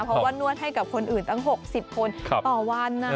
เพราะว่านวดให้กับคนอื่นตั้ง๖๐คนต่อวัน